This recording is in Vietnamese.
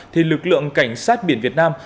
thì lực lượng cảnh sát biển việt nam